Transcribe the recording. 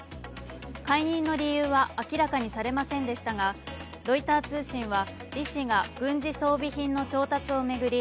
解任の理由は明らかにされませんでしたがロイター通信は李氏が軍事装備品の調達を巡り